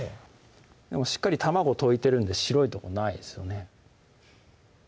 しっかり卵溶いてるんで白いとこないですよね